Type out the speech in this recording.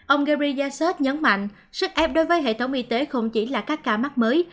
ông gari yassette nhấn mạnh sức ép đối với hệ thống y tế không chỉ là các ca mắc mới